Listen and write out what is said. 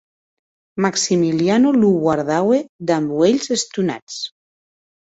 Maximiliano lo guardaue damb uelhs estonats.